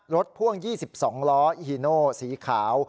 พ่วง๒๒ล้ออีฮีโนสีขาว